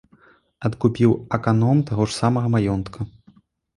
Адкупіў аканом таго ж самага маёнтка.